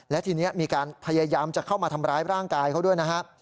และทีนี้มีการพยายามจะเข้ามาทำร้ายร่างกายเขาด้วยนะฮะ